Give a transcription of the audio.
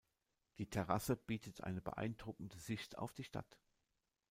Die Terrasse bietet eine beeindruckende Sicht auf die Stadt.